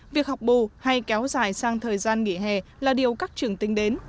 việc học bù hay kéo dài sang thời gian nghỉ hè là điều các trường tính đến